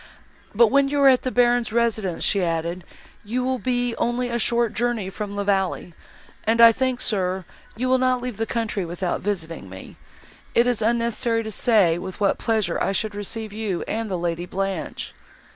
"But, when you are at the Baron's residence," she added, "you will be only a short journey from La Vallée, and I think, sir, you will not leave the country without visiting me; it is unnecessary to say with what pleasure I should receive you and the Lady Blanche."